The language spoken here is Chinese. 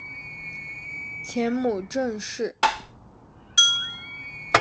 前母郑氏。